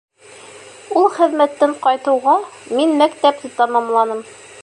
Ул хеҙмәттән ҡайтыуға, мин мәктәпте тамамланым.